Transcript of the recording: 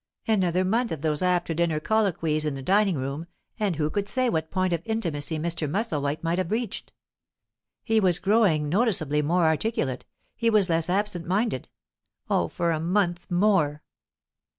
Another month of those after dinner colloquies in the drawing room, and who could say what point of intimacy Mr. Musselwhite might have reached. He was growing noticeably more articulate; he was less absentminded. Oh, for a month more!